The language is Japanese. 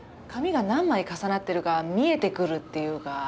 紙が何枚重なってるか見えてくるというか。